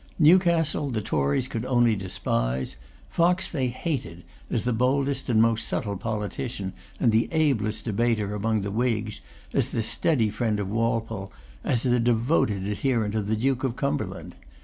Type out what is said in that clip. Newcastle the Tories could only despise. Fox they hated, as the boldest and most subtle politician and the ablest debater among the Whigs, as the steady friend of Walpole, as the devoted adherent of the Duke of Cumberland.